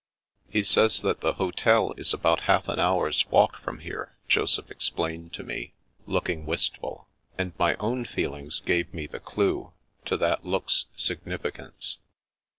'' He sa3rs that the hotel is about half an hour's walk from here," Joseph explained to me, looking wistful. And my own feelings gave me the clue to that look's significance.